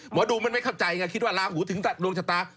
หมอดูมันไม่เข้าใจไงคิดว่าลาหูถึงดวงชะตา